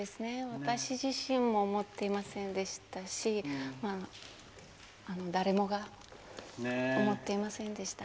私自身も思っていませんでしたし誰もが思っていませんでした。